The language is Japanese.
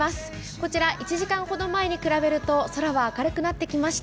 こちら、１時間ほど前に比べると空は明るくなってきました。